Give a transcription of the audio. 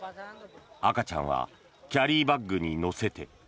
赤ちゃんはキャリーバッグに乗せて。